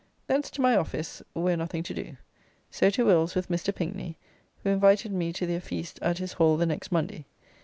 Thence to my office, where nothing to do. So to Will's with Mr. Pinkney, who invited me to their feast at his Hall the next Monday.